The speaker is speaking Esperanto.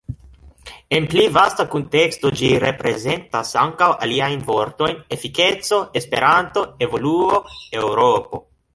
En pli vasta kunteksto ĝi reprezentas ankaŭ aliajn vortojn: Efikeco, Esperanto, Evoluo, Eŭropo.